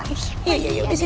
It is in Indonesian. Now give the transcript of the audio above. diam jangan bersik